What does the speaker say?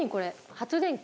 発電機？